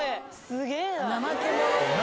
すげぇな。